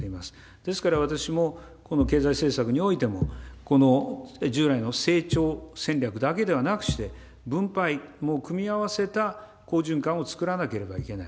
ですから私も、経済政策においても、従来の成長戦略だけではなくして、分配も組み合わせた好循環を作らなければいけない。